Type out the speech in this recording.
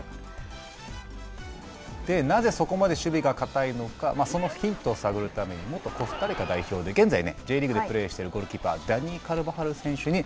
なぜそこまで守備がかたいのかそのヒントを探るために元コスタリカ代表で現在Ｊリーグでプレーしているゴールキーパーダニー・カルバハル選手に